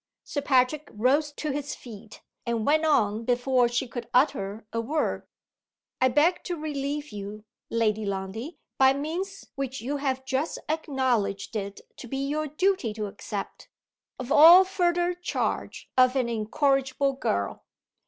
Sir Patrick rose to his feet, and went on before she could utter a word. "I beg to relieve you, Lady Lundie by means which you have just acknowledged it to be your duty to accept of all further charge of an incorrigible girl.